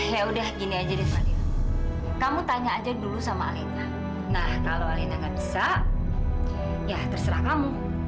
yaudah gini aja deh fadil kamu tanya aja dulu sama alena nah kalau alena gak bisa ya terserah kamu